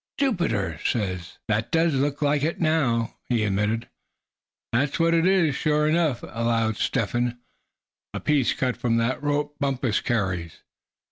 "Jupiter! say, that does look like it, now," he admitted. "That's what it is, sure enough," avowed Step Hen, "a piece cut from that rope Bumpus carries.